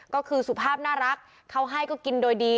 ก็คือสุภาพน่ารักเขาให้ก็กินโดยดี